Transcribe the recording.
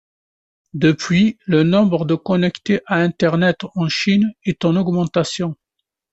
Depuis, le nombre de connectés à Internet en Chine est en augmentation.